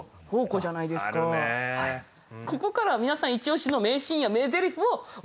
ここからは皆さんイチ推しの名シーンや名ゼリフを教えて下さい。